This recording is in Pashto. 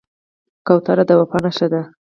کوتره د وفا نښه ده.